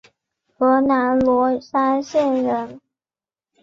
河南罗山县人。